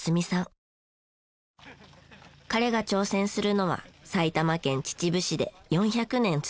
彼が挑戦するのは埼玉県秩父市で４００年続く龍勢祭です。